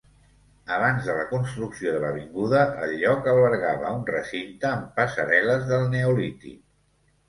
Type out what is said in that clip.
Abans de la construcció de l'avinguda el lloc albergava un recinte amb passarel·les del Neolític.